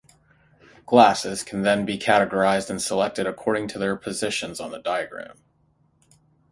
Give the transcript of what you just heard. Glasses can then be categorised and selected according to their positions on the diagram.